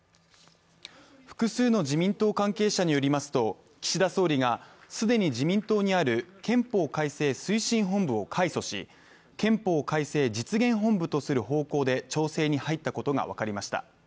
複数の自民党関係者によりますと、岸田総理が既に自民党にある憲法改正推進本部を改組し、憲法改正実現本部とする方向で調整に入ったことが分かりました。